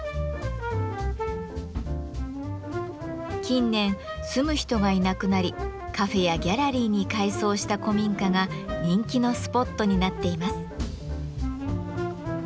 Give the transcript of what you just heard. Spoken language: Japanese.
近年住む人がいなくなりカフェやギャラリーに改装した古民家が人気のスポットになっています。